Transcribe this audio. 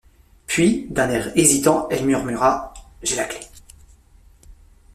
Puis, d’un air hésitant, elle murmura: — J’ai la clef.